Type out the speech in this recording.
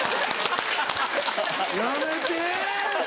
やめて。